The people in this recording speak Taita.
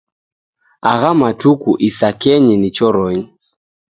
Agha matuku isakenyi ni choronyi.